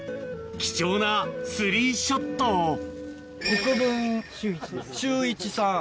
貴重なスリーショットを修一さん。